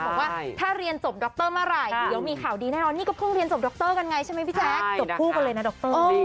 บอกว่าถ้าเรียนจบดรเมื่อไหร่เดี๋ยวมีข่าวดีแน่นอนนี่ก็เพิ่งเรียนจบดรกันไงใช่ไหมพี่แจ๊คจบคู่กันเลยนะดร